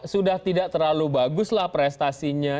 sudah tidak terlalu baguslah prestasinya